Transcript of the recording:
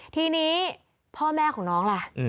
ทีนี้พ่อแม่ของน้องล่ะ